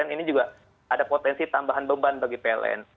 ini juga ada potensi tambahan beban bagi pln